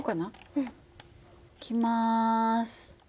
うん。いきます。